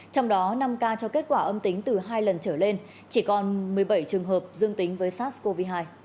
trong đó năm ca cho kết quả âm tính từ hai lần trở lên chỉ còn một mươi bảy trường hợp dương tính với sars cov hai